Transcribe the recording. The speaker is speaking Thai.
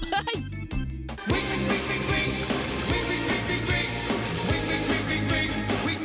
วิ่งวิ่งวิ่งวิ่ง